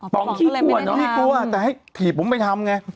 พี่กลัวแต่ให้ถีบผมไปทำไง